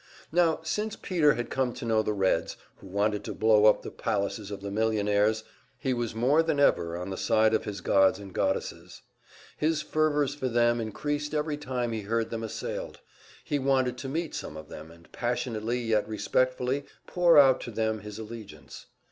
Now since Peter had come to know the Reds, who wanted to blow up the palaces of the millionaires, he was more than ever on the side of his gods and goddesses. His fervors for them increased every time he heard them assailed; he wanted to meet some of them, and passionately, yet respectfully, pour out to them his allegiance.